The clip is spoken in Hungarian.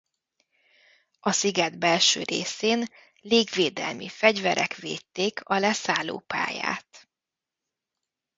A sziget belső részén légvédelmi fegyverek védték a leszállópályát.